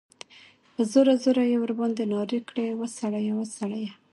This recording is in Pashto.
په زوره، زوره ئی ورباندي نارې کړې ، وسړیه! وسړیه!